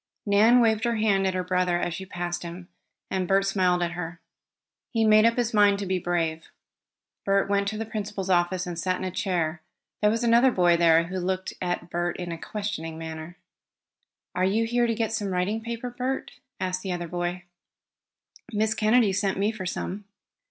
Nan waved her hand at her brother as she passed him, and Bert smiled at her. He made up his mind to be brave. Bert went to the principal's office, and sat in a chair. There was another boy there, who looked at Bert in a questioning manner. "Are you here to get some writing paper, Bert?" asked the other boy. "Miss Kennedy sent me for some."